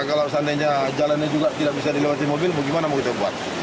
kalau seandainya jalannya juga tidak bisa dilewati mobil bagaimana mau kita buat